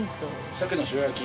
鮭の塩焼き？